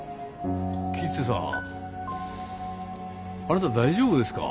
吉瀬さんあなた大丈夫ですか？